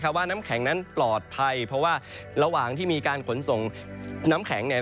ว่าน้ำแข็งนั้นปลอดภัยเพราะว่าระหว่างที่มีการขนส่งน้ำแข็ง